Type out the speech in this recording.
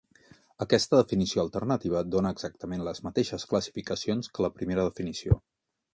Aquesta definició alternativa dona exactament les mateixes classificacions que la primera definició.